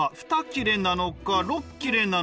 ６切れなのか？